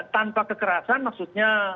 tanpa kekerasan maksudnya